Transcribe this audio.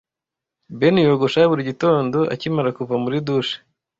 Ben yogosha buri gitondo akimara kuva muri douche.